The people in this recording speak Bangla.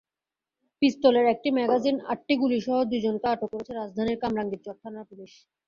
পিস্তলের একটি ম্যাগাজিন, আটটি গুলিসহ দুজনকে আটক করেছে রাজধানীর কামরাঙ্গীরচর থানার পুলিশ।